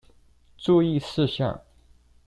注意事項